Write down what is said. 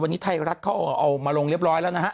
วันนี้ไทยรัฐเขาเอามาลงเรียบร้อยแล้วนะฮะ